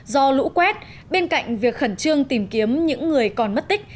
do lũ quét bên cạnh việc khẩn trương tìm kiếm những người còn mất tích